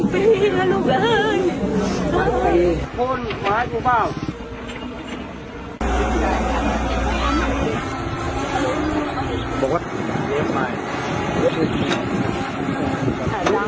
เป็นพันปีแล้วลูกอ้าง